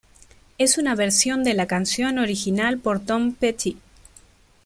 Es una versión de la canción original por Tom Petty.